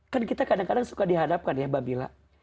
kan kita kadang kadang suka dihadapkan ya mbak mila